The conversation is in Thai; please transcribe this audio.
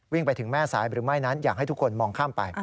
ไปถึงแม่สายหรือไม่นั้นอยากให้ทุกคนมองข้ามไป